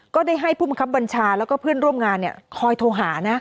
ก็ได้ให้ผู้บังคับบัญชาแล้วก็เพื่อนร่วมงานคอยโทรหานะ